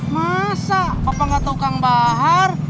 masa papa gak tau kang bahar